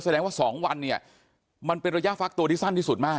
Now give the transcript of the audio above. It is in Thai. แสดงว่า๒วันเนี่ยมันเป็นระยะฟักตัวที่สั้นที่สุดมาก